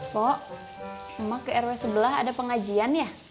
kok emang ke rw sebelah ada pengajian ya